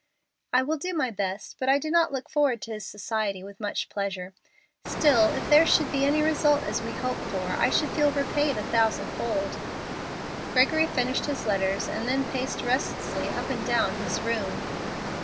"I will do my best; but I do not look forward to his society with much pleasure. Still, if there should be any such result as we hope for, I should feel repaid a thousand fold." Gregory finished his letters and then paced restlessly up and down his room.